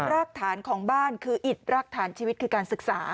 รากฐานของบ้านคืออิดรากฐานชีวิตคือการศึกษา